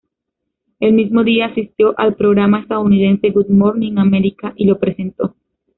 El mismo día, asistió al programa estadounidense "Good Morning America" y lo presentó.